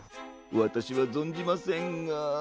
わたしはぞんじませんが。